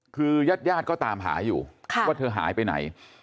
คือญาติก็ตามหาอยู่ว่าเธอหายไปไหน